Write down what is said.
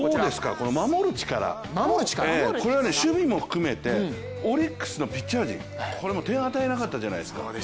この守る力、これは守備も含めてオリックスの持ち味、これも点を与えなかったじゃないですか。